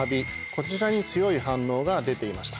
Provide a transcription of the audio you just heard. こちらに強い反応が出ていました。